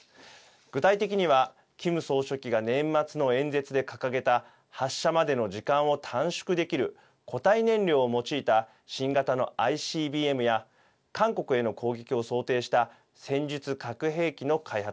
具体的にはキム総書記が年末の演説で掲げた発射までの時間を短縮できる固体燃料を用いた新型のＩＣＢＭや韓国への攻撃を想定した戦術核兵器の開発。